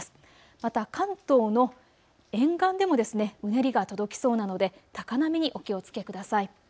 また関東の沿岸でもうねりが届きそうなので高波にお気をつけください。